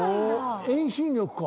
遠心力か？